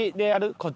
こっち？